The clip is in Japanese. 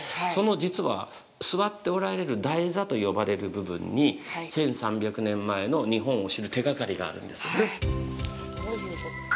実は、その座っておられる台座と呼ばれる部分に１３００年前の日本を知る手がかりがあるんです。